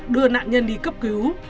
đưa nạn nhân đi cấp cứu